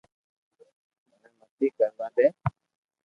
مني متي ڪر وا دي